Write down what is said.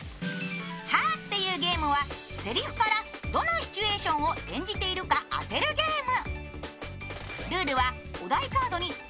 「はぁって言うゲーム」はセリフからどのシチュエーションを演じているか当てるゲーム。